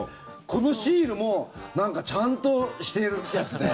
このシールもなんか、ちゃんとしてるやつで。